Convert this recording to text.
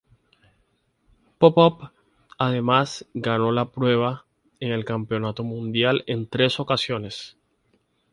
Popov, además, ganó la prueba en el Campeonato Mundial en tres ocasiones.